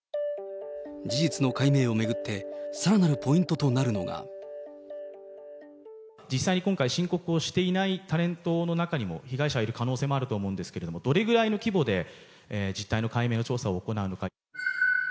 事実の解明を巡って、実際に今回、申告をしていないタレントの中にも、被害者はいる可能性はあると思うんですけれども、どれぐらいの規模で、実態の解明の調査を行うのか。